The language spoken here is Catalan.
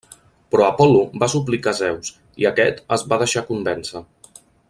Però Apol·lo va suplicar Zeus, i aquest es va deixar convèncer.